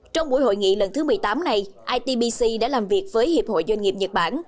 trong buổi hội nghị lần thứ một mươi tám này itbc đã làm việc với hiệp hội doanh nghiệp nhật bản